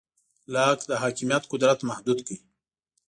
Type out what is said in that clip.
لاک د حاکمیت قدرت محدود کړ.